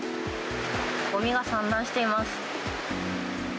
ごみが散乱しています。